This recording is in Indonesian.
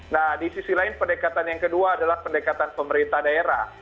nah di sisi lain pendekatan yang kedua adalah pendekatan pemerintah daerah